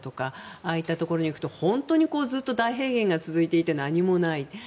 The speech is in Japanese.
ああいったところに行くと本当にずっと大平原が続いていて何もない。